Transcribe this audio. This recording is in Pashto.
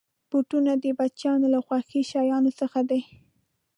بوټونه د بچیانو له خوښې شيانو څخه دي.